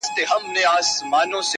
د چا د ويښ زړگي ميسج ننوت,